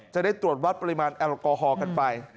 จะได้ตรวจวัดปริมาณแอลกอฮอลกันไป